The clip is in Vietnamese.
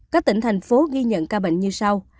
các tỉnh thành phố ghi nhận ca bệnh như sau